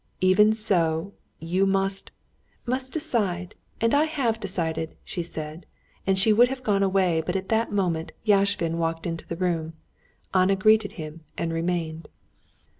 "Even if so, you must...." "Must decide, and I have decided," she said, and she would have gone away, but at that moment Yashvin walked into the room. Anna greeted him and remained.